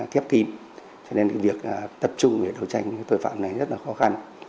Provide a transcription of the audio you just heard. kép kín cho nên việc tập trung để đấu tranh với tội phạm này rất là khó khăn